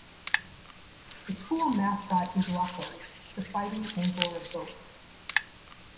The school mascot is Rocko, the fighting Angora goat.